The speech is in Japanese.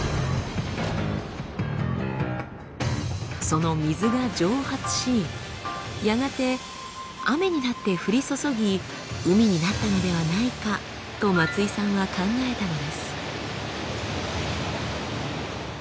その水が蒸発しやがて雨になって降り注ぎ海になったのではないかと松井さんは考えたのです。